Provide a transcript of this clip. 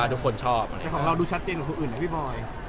จริงจะมาเรื่องบ้าง